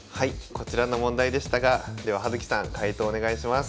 こちらの問題でしたがでは葉月さん解答お願いします。